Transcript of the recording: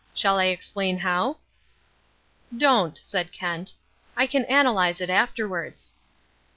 Shall I explain how?" "Don't," said Kent, "I can analyse it afterwards."